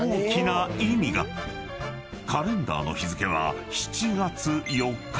［カレンダーの日付は７月４日］